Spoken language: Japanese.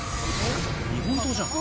日本刀じゃん。